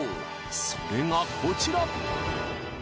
それが、こちら。